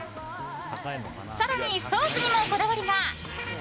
更に、ソースにもこだわりが。